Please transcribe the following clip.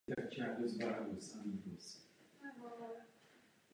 Pocity a stavy vědomí spjaté s použitím této drogy na něj udělaly zásadní dojem.